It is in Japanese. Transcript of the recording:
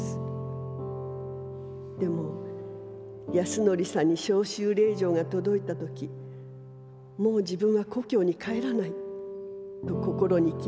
でも安典さんに召集令状がとどいたときもう自分は故郷に帰らないと心にきめました。